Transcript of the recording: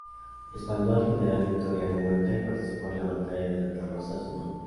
Respaldó al general Victoriano Huerta y participó en la Batalla de Santa Rosa, Sonora.